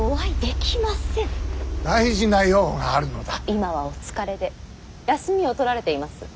今はお疲れで休みを取られています。